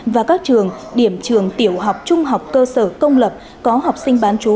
và các trường điểm trường tiểu học trung học cơ sở công lập có học sinh bán chú